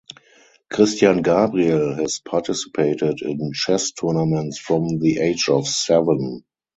Christian Gabriel has participated in chess tournaments from the age of seven.